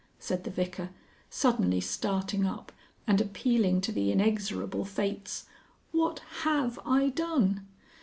said the Vicar, suddenly starting up and appealing to the inexorable fates. "What HAVE I done?"